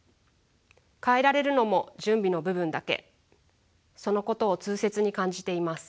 変えられるのも準備の部分だけそのことを痛切に感じています。